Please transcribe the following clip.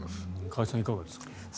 加谷さん、いかがですか？